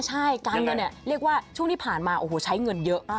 ใช่การเงินเนี่ยเรียกว่าช่วงที่ผ่านมาโอ้โหใช้เงินเยอะ